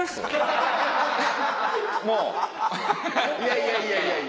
いやいやいやいや！